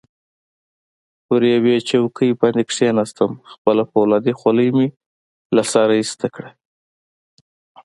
پر یوې چوکۍ باندې کښېناستم، خپله فولادي خولۍ مې له سره ایسته کړه.